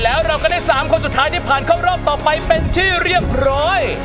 แล้วเราก็ได้๓คนสุดท้ายที่ผ่านเข้ารอบต่อไปเป็นที่เรียบร้อย